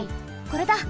これだ！